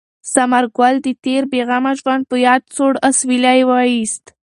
ثمر ګل د تېر بې غمه ژوند په یاد سوړ اسویلی ویوست.